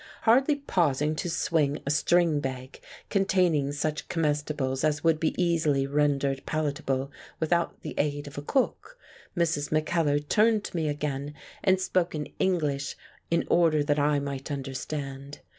Hardly pausing to swing a string bag containing such comestibles as would be easily rendered palatable without the aid of a cook, Mrs. Mackellar turned to 78 The Dance on the Beefsteak me again, and spoke in English in order that I might understand.